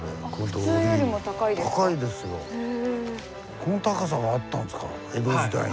この高さがあったんですか江戸時代に。